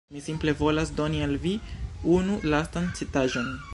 Mi simple volas doni al vi unu lastan citaĵon